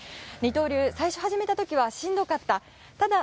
二刀流、最初始めた時はしんどかった。